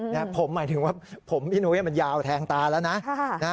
คุณผู้ภูมิว่าผมพี่หนุ๊ยมันยาวแทงตาละนะ